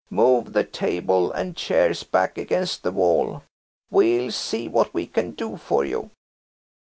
Move the table and chairs back against the wall; we'll see what we can do for you."